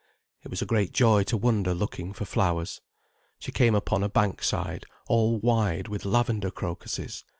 It was a great joy to wander looking for flowers. She came upon a bankside all wide with lavender crocuses.